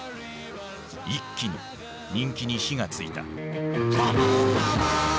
一気に人気に火が付いた。